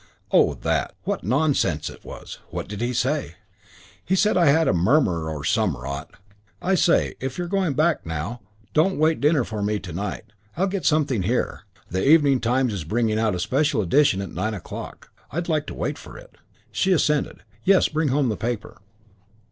"Oh, that. What nonsense it was. What did he say?" "Said I had a murmur or some rot. I say, if you're going back now, don't wait dinner for me to night. I'll get something here. The Evening Times is bringing out a special edition at nine o'clock. I'd like to wait for it." She assented, "Yes, bring home the paper."